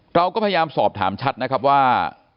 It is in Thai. เราก็พยายามสอบถามชัดนะครับว่า